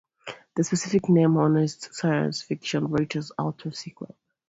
The specific name honours science fiction writer Arthur C. Clarke.